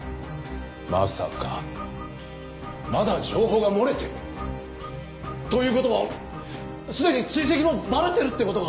まさかまだ情報が漏れてる？という事はすでに追跡もバレてるって事か？